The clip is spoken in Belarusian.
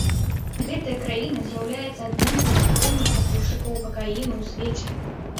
Гэтая краіна з'яўляецца адным з асноўных пастаўшчыком какаіну ў свеце.